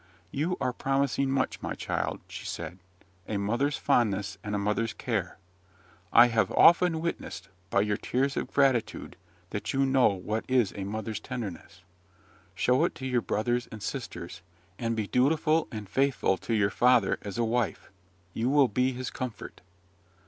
'You are promising much, my child,' she said: 'a mother's fondness and a mother's care! I have often witnessed, by your tears of gratitude, that you know what is a mother's tenderness: show it to your brothers and sisters, and be dutiful and faithful to your father as a wife; you will be his comfort.'